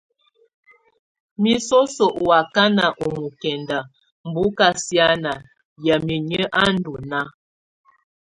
Mɛ soso ù wakana ɔ́ mɔkɛnda bù kà siana yamɛ̀á inyǝ́ à ndù nàà.